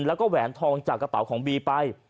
แล้วก็แหวนทองจากกระเป๋าของบีไป